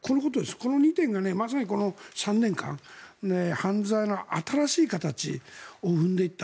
この２点が、まさにこの３年間犯罪の新しい形を生んでいった。